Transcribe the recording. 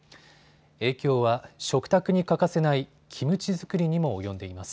影響は食卓に欠かせないキムチ作りにも及んでいます。